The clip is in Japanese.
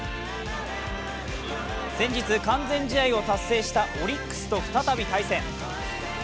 先日、完全試合を達成したオリックスと再び対戦。